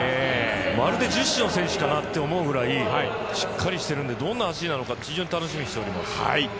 まるで十種の選手かなってぐらいしっかりしているので、どんな選手なのかなって非常に楽しみにしています。